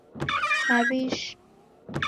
Mawishi